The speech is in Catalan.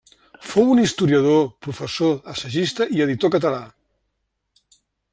Fou un historiador, professor, assagista i editor català.